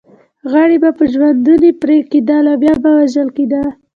غړي به په ژوندوني پرې کېدل او بیا به وژل کېده.